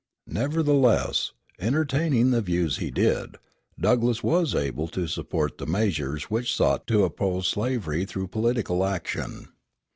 Nevertheless, entertaining the views he did, Douglass was able to support the measures which sought to oppose slavery through political action.